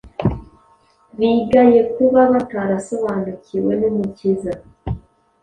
Bigaye kuba batarasobanukiwe n’Umukiza.